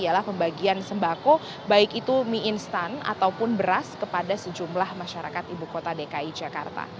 ialah pembagian sembako baik itu mie instan ataupun beras kepada sejumlah masyarakat ibu kota dki jakarta